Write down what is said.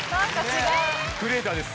クリエーターです。